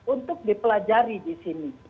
untuk dipelajari disini